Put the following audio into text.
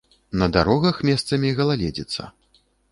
На дарогах месцамі галаледзіца.